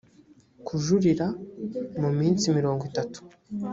kujurira mu minsi mirongo itatu